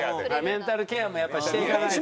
メンタルケアもやっぱしていかないと。